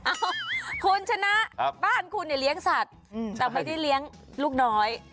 เอ้าคุณชนะบ้านคุณเนี่ยเลี้ยงสัตว์แต่ไม่ได้เลี้ยงลูกน้อย